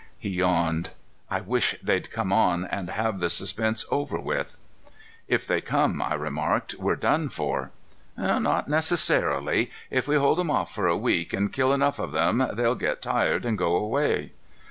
He yawned. "I wish they'd come on and have the suspense over with." "If they come," I remarked, "we're done for." "Not necessarily. If we hold them off for a week and kill enough of them, they'll get tired and go away."